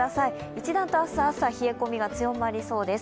一段と明日朝冷え込みが強まりそうです。